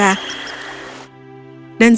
dan sementara itu gretary pergi ke kerajaan tetangga